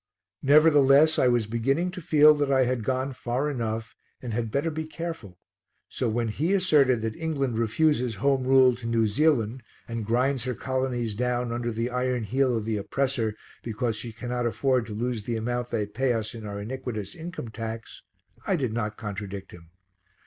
Nevertheless I was beginning to feel that I had gone far enough and had better be careful, so when he asserted that England refuses Home Rule to New Zealand, and grinds her colonies down under the iron heel of the oppressor because she cannot afford to lose the amount they pay us in our iniquitous income tax, I did not contradict him.